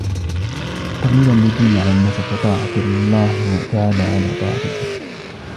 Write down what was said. تَغْلِيبًا لِلدِّينِ عَلَى النَّسَبِ وَطَاعَةِ اللَّهِ تَعَالَى عَلَى طَاعَةِ الْأَبِ